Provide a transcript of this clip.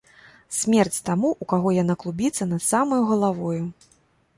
Смерць таму, у каго яна клубіцца над самаю галавою.